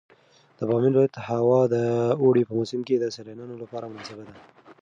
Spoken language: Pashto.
د بامیان ولایت هوا د اوړي په موسم کې د سیلانیانو لپاره مناسبه ده.